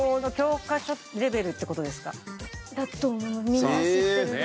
みんな知ってるので。